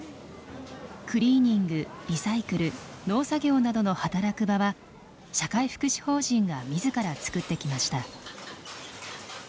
クリーニングリサイクル農作業などの働く場は社会福祉法人が自ら作ってきました。